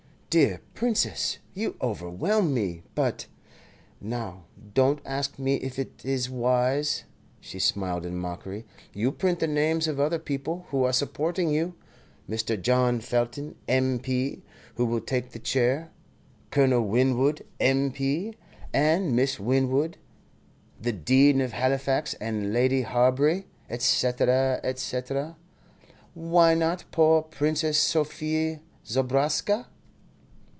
"Dear Princess, you overwhelm me. But " "Now, don't ask me if it is wise." She smiled in mockery. "You print the names of other people who are supporting you. Mr. John Felton, M.P., who will take the chair, Colonel Winwood, M.P., and Miss Winwood, the Dean of Halifax and Lady Harbury, et cetera, et cetera. Why not poor Princess Sophie Zobraska?"